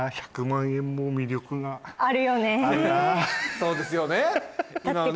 そうですよね